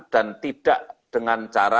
dan tidak dengan cara